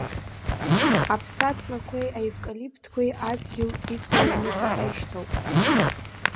Аԥсаҵлақәеи аевкалиптқәеи адгьыл иҵыҩрны ҵаҟа ишьҭоуп.